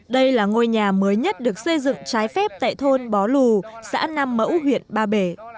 đây là ngôi nhà mới nhất được xây dựng trái phép tại thôn bó lù xã nam mẫu huyện ba bể